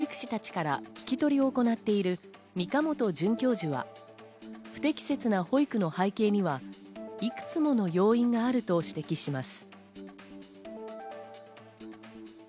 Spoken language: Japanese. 保育現場の虐待の実態を調査するため、保育士たちから聞き取りを行っている三家本准教授は、不適切な保育の背景にはいくつもの要因があると指摘します。